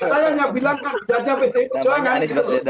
saya hanya bilang kandidatnya pdi perjuangan